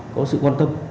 có sự quan tâm